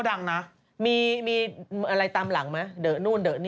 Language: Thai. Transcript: แต่อันนี้เขายังไม่แกน